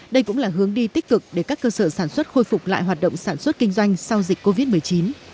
đây cũng là hướng đi tích cực để các cơ sở sản xuất khôi phục lại hoạt động sản xuất kinh doanh sau dịch covid một mươi chín